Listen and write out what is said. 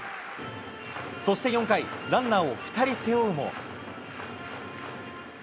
そして４回、ランナーを２人背負うも。